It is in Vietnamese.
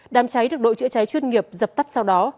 đám cháy được đội chữa cháy chuyên nghiệp dập tắt sau đó